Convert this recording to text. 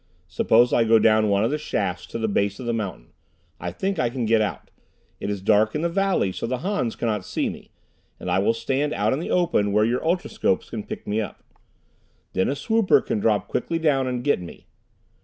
Suppose I go down one of the shafts to the base of the mountain. I think I can get out. It is dark in the valley, so the Hans cannot see me, and I will stand out in the open, where your ultroscopes can pick me up. Then a swooper can drop quickly down and get me."